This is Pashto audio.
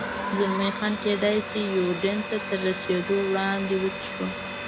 زلمی خان: کېدای شي یوډین ته تر رسېدو وړاندې، وڅښو.